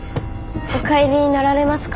お帰りになられますか？